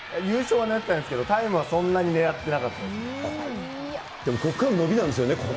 優勝は狙ってたんですけど、タイムはそんなに狙ってなかったですね。